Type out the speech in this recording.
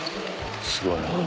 すごいな。